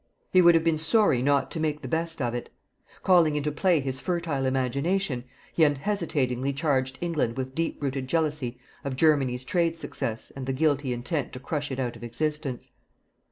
He would have been sorry not to make the best of it. Calling into play his fertile imagination, he unhesitatingly charged England with deep rooted jealousy of Germany's trade success and the guilty intent to crush it out of existence.